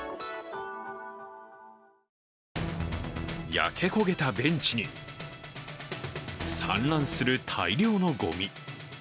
焼け焦げたベンチに散乱する大量のごみ。